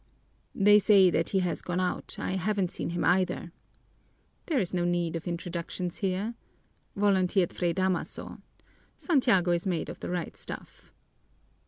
"They say that he has gone out. I haven't seen him either." "There's no need of introductions here," volunteered Fray Damaso. "Santiago is made of the right stuff."